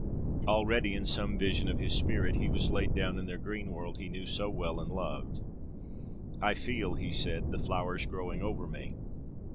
Already, in some vision of his spirit, he was laid down in their green world he knew so well and loved. 'I feel,' he said, 'the flowers growing over me.'